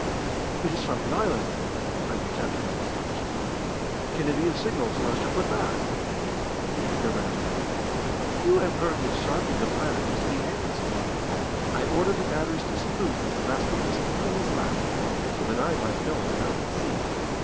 "It is from the island!" cried the captain in astonishment. "Can it be a signal for us to put back?" The Governor laughed. "You have heard that Sharkey, the pirate, is to be hanged this morning. I ordered the batteries to salute when the rascal was kicking his last, so that I might know of it out at sea.